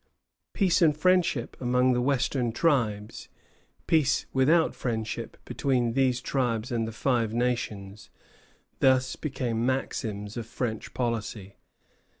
Peace and friendship among the western tribes; peace without friendship between these tribes and the Five Nations, thus became maxims of French policy.